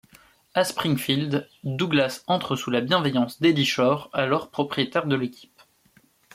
À Springfield, Douglas entre sous la bienveillance d'Eddie Shore, alors propriétaire de l'équipe.